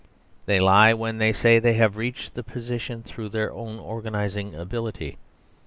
They lie when they say they have reached their position through their own organising ability.